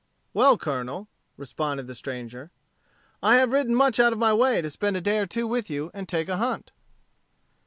"Well, Colonel," responded the stranger, "I have ridden much out of my way to spend a day or two with you, and take a hunt."